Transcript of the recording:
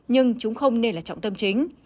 nhưng chúng không nên là trọng tâm chính